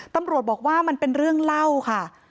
ตำรวจบอกว่ามันเป็นเรื่องเล่าค่ะ